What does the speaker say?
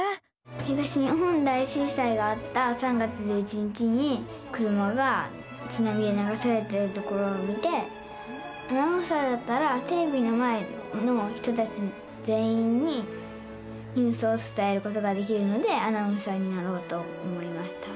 東日本大震災があった３月１１日に車がつなみでながされてるところを見てアナウンサーだったらテレビの前の人たち全員にニュースをつたえることができるのでアナウンサーになろうと思いました。